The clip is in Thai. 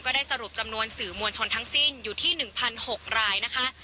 ได้สรุปจำนวนสื่อมวลชนทั้งสิ้นอยู่ที่๑๖รายนะคะ